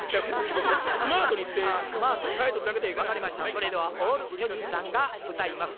それではオール巨人さんが歌います。